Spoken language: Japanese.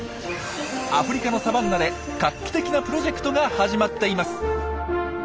アフリカのサバンナで画期的なプロジェクトが始まっています。